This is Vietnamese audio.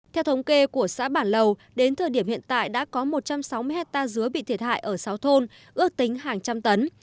theo thống kê của xã bản lầu đến thời điểm hiện tại đã có một trăm sáu mươi hectare dứa bị thiệt hại ở sáu thôn ước tính hàng trăm tấn